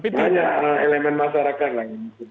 banyak elemen masyarakat lagi